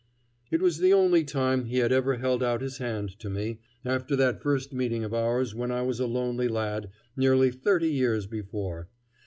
It was the only time he had ever held out his hand to me, after that first meeting of ours when I was a lonely lad, nearly thirty years before.